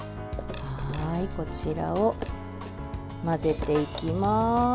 こちらを、混ぜていきます。